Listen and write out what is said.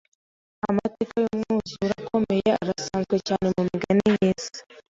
Amateka yumwuzure ukomeye arasanzwe cyane mumigani yisi.